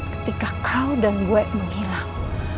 ketika kau dan gue menghilang